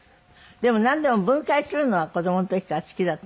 でもなんでも分解するのは子どもの時から好きだった？